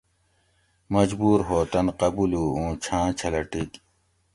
مجبور ہو تن قبولو اُوں چھاۤں چھلہ ٹِک